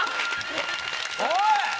おい！